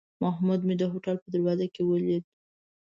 محمود مې د هوټل په دروازه کې ولید.